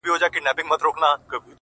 زړه مي ورېږدېدی’